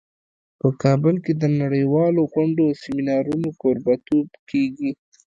په کابل کې د نړیوالو غونډو او سیمینارونو کوربه توب کیږي